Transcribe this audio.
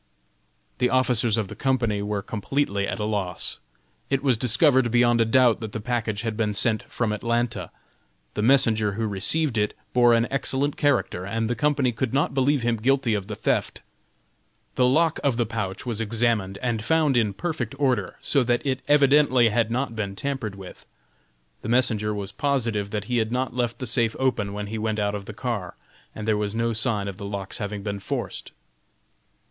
The officers of the company were completely at a loss. It was discovered beyond a doubt that the package had been sent from Atlanta. The messenger who received it bore an excellent character, and the company could not believe him guilty of the theft. The lock of the pouch was examined and found in perfect order, so that it evidently had not been tampered with. The messenger was positive that he had not left the safe open when he went out of the car, and there was no sign of the lock's having been forced.